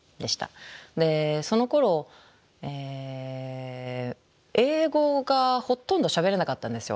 そのころ英語がほとんどしゃべれなかったんですよ